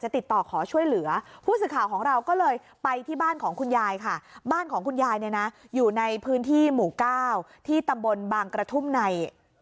ที่หมู่ก้าวที่บ้านบางกระทุ่มใน